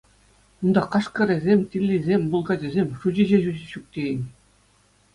Унта кашкӑрӗсем, тиллисем, мулкачӗсем — шучӗ те ҫук тейӗн.